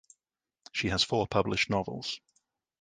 She has four published novels.